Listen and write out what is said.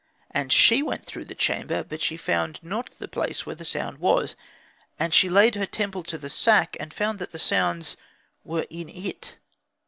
And she went through the chamber, but she found not the place where the sound was. And she layed her temple to the sack, and found that the sounds were in it.